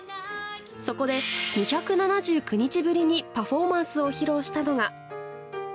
そこで、２７９日ぶりにパフォーマンスを披露したのが。